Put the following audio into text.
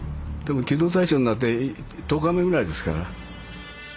機動隊長になって１０日目ぐらいですから。